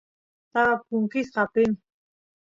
taba punkisqa apini